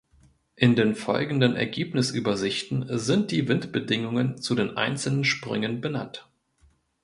In den folgenden Ergebnisübersichten sind die Windbedingungen zu den einzelnen Sprüngen benannt.